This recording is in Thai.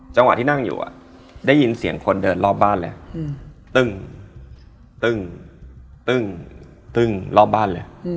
จังหวะที่นั่งอยู่ได้ยินเสียงคนเดินรอบบ้านเลย